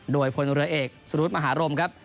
โดยพลเรือเอกสุรุธมหารมครับ